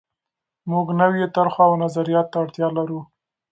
موږ نویو طرحو او نظریاتو ته اړتیا لرو.